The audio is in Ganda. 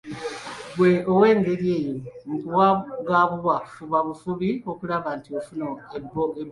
Gggwe ow'engeri eyo nkuwa ga buwa, fuba bufubi okulaba nti ofuna ebbombo.